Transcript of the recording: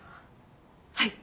はい！